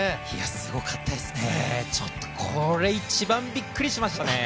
すごかったですね、これ一番びっくりしましたね。